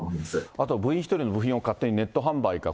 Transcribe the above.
あとは部員１人の備品を勝手にネット販売かと。